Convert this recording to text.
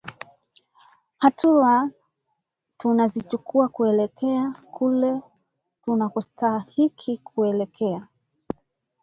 hatua tunazichukua kuelekea kule tunakostahiki kuelekea